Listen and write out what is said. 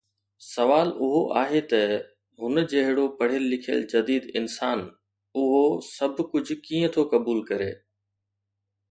سوال اهو آهي ته هن جهڙو پڙهيل لکيل جديد انسان اهو سڀ ڪجهه ڪيئن ٿو قبول ڪري؟